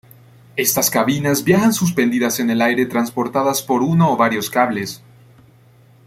Estas cabinas viajan suspendidas en el aire transportadas por uno o varios cables.